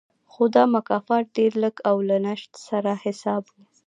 خو دا مکافات ډېر لږ او له نشت سره حساب و